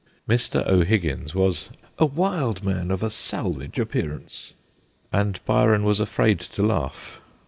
Mr. O'Higgins was 'a wild man, of a salvage appearance/ and Byron was afraid to laugh.